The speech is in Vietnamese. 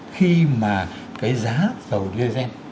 khi mà cái giá dầu gsm